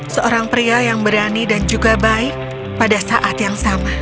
seorang pria yang berani dan juga baik pada saat yang sama